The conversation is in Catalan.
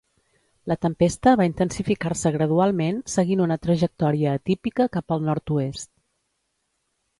La tempesta va intensificar-se gradualment seguint una trajectòria atípica cap al nord-oest.